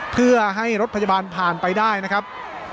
เพื่อให้รถพยาบาลผ่านไปได้นะครับ